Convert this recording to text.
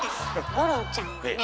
五郎ちゃんはね